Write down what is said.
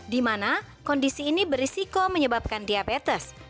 dimana kondisi ini berisiko menyebabkan diabetes